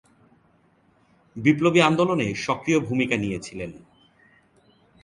বিপ্লবী আন্দোলনে সক্রিয় ভূমিকা নিয়েছিলেন।